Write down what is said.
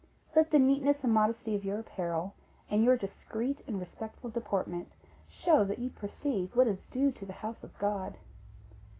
Let the neatness and modesty of your apparel, and your discreet and respectful deportment, show that you perceive what is due to the house of God.